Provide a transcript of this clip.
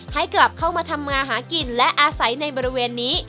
ให้กลับเข้ามาทำงานหากินและอาศัยในบริเวณนี้